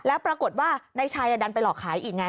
แล้วปรากฏว่านายชัยดันไปหลอกขายอีกไง